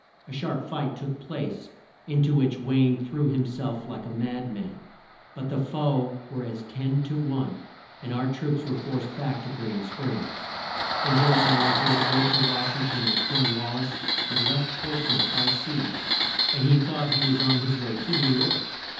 A sharp fight took place, in to which Wayne threw him self like a mad man, but the foe were as ten to one and our troops were forced back to Green Springs. In Ju ly La fay ette wrote to Wash ing ton that Corn wal lis had left Ports mouth by sea, and he thought he was on his way to New York.